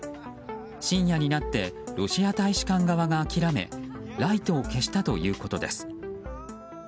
深夜になってロシア大使館側が諦めライトを消したということです。